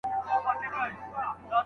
اداري فساد ټولنه له دننه خوري.